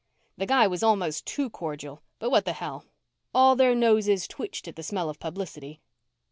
The guy was almost too cordial, but what the hell? All their noses twitched at the smell of publicity.